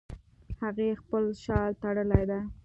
هغې خپل شال تړلی ده